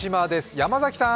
山崎さん。